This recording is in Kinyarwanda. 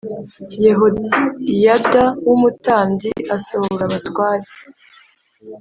Yehoyada w umutambyi asohora abatware